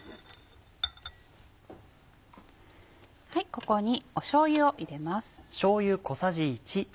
ここにしょうゆを入れます。